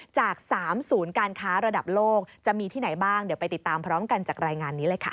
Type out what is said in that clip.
จาก๓ศูนย์การค้าระดับโลกจะมีที่ไหนบ้าง